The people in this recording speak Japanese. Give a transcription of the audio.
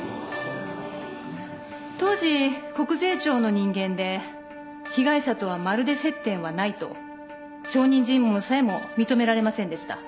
当時国税庁の人間で被害者とはまるで接点はないと証人尋問さえも認められませんでした。